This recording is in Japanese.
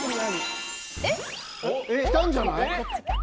きたんじゃない？